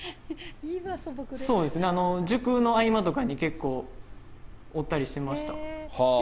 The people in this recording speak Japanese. そうですね、塾の合間とかに結構、折ったりしてました。